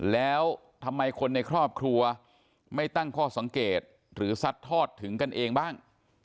แล้วทำไมคนในครอบครัวไม่ตั้งข้อสังเกตหรือซัดทอดถึงกันเองบ้าง